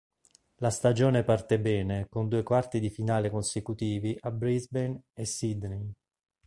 La stagione parte bene con due quarti di finale consecutivi a Brisbane e Sydney.